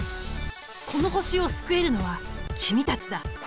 この星を救えるのは君たちだ。